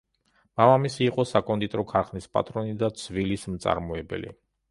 მამამისი იყო საკონდიტრო ქარხნის პატრონი და ცვილის მწარმოებელი.